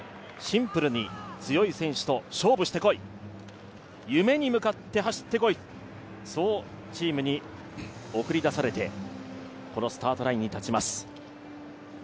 日本はチームとしてシンプルに強いチームと勝負してこい夢に向かって走ってこいそうチームに送り出されてこのスタートラインに立ちます。